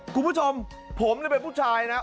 คุณผู้ชมผมนี่เป็นผู้ชายนะ